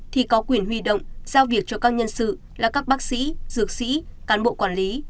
thì có quyền huy động giao việc cho các nhân sự là các bác sĩ dược sĩ cán bộ quản lý